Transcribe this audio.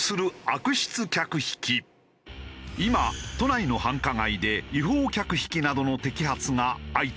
今都内の繁華街で違法客引きなどの摘発が相次いでいるのだが。